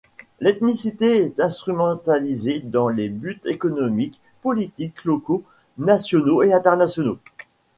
L'ethnicité est instrumentalisée dans des buts économiques, politiques locaux, nationaux et internationaux.